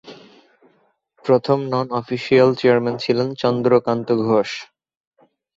প্রথম non official chairman ছিলেন চন্দ্রকান্ত ঘোষ।